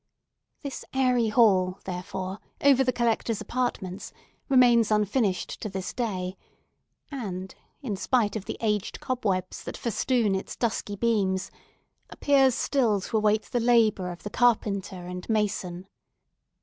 This airy hall, therefore, over the Collector's apartments, remains unfinished to this day, and, in spite of the aged cobwebs that festoon its dusky beams, appears still to await the labour of the carpenter and mason.